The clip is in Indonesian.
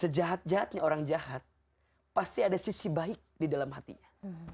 sejahat jahatnya orang jahat pasti ada sisi baik di dalam hatinya